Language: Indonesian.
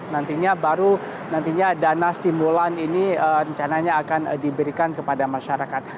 nantinya baru nantinya dana stimulan ini rencananya akan diberikan kepada masyarakat